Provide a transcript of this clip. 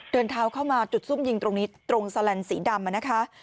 เดินเท้าเข้ามาจุดซุ่มยิงตรงนี้ตรงแสลนด์สีดำนะคะ